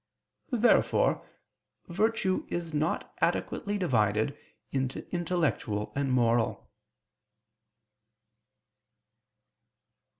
Therefore virtue is not adequately divided into intellectual and moral.